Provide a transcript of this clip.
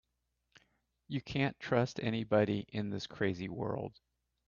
You can't trust anybody in this crazy world.